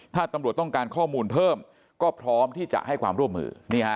ถ้าตำรวจต้องการข้อมูลเพิ่มก็พร้อมที่จะให้ความร่วมมือ